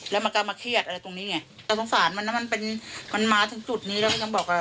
แล้วมันก็มาเครียดอะไรตรงนี้ไงแต่สงสารมันนะมันเป็นมันมาถึงจุดนี้แล้วก็ยังบอกว่า